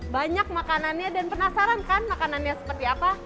banyak makanannya dan penasaran kan makanannya seperti apa